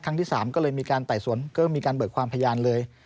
ที่๓ก็เลยมีการไต่สวนก็มีการเบิกความพยานเลย